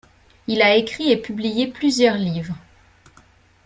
Il a écrit et publié plusieurs livres.